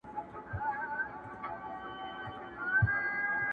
o په بازيو کي بنگړي ماتېږي٫